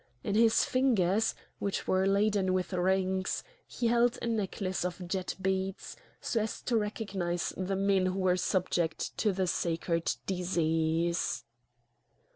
In his fingers, which were laden with rings, he held a necklace of jet beads, so as to recognise the men who were subject to the sacred disease.